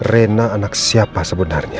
rena anak siapa sebenarnya